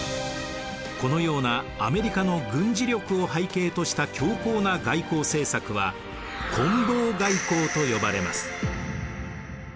このようなアメリカの軍事力を背景とした強硬な外交政策はこん棒外交と呼ばれます。